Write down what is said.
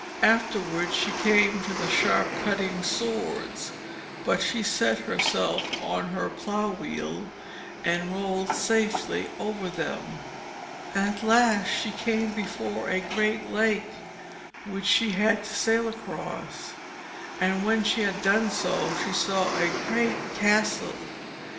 Afterwards she came to the sharp cutting swords, but she set herself on her plough wheel and rolled safely over them. At last she came before a great lake, which she had to sail across, and when she had done so she saw a great castle.